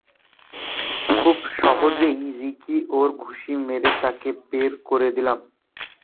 খুব সহজেই রিকি-ওর ঘুষি মেরে তাকে বের করে দিলাম।